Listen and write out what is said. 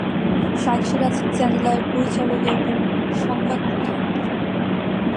Shaikh Siraj channel I এর পরিচালক এবং সংবাদ প্রধান।